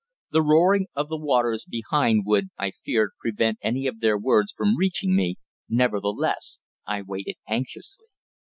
The roaring of the waters behind would, I feared, prevent any of their words from reaching me; nevertheless, I waited anxiously.